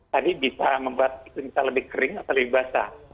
tadi bisa membuat kering atau lebih basah